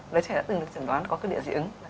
đứa trẻ đã từng được chẩn đoán có cơ địa dị ứng